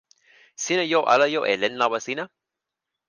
sina jo ala jo e len lawa sina.